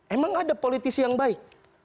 emang ada politisi yang baik